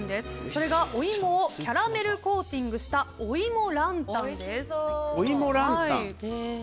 それが、お芋をキャラメルコーティングしたおいもランタンです。